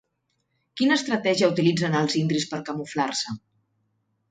Quina estratègia utilitzen els indris per camuflar-se?